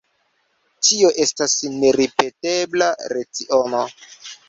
Tio estas neripetebla leciono.